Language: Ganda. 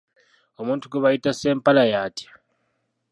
Omuntu gwe bayita Ssempala y'atya?